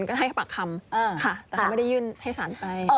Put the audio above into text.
ก็ให้ปากคำค่ะแต่เขาไม่ได้ยื่นให้สารไป